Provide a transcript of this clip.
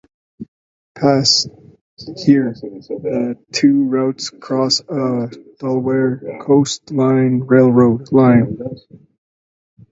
Past here, the two routes cross a Delaware Coast Line Railroad line.